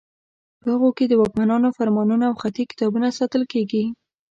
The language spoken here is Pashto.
په هغو کې د واکمنانو فرمانونه او خطي کتابونه ساتل کیږي.